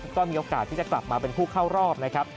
ก็มีโอกาสที่จะกลับมาเป็นผู้เข้ารอบนะครับ